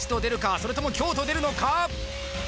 それとも凶と出るのか？